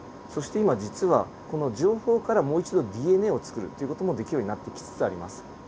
そして今実はこの情報からもう一度ＤＮＡをつくるという事もできるようになってきつつあります。